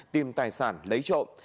tìm tài sản lấy trộm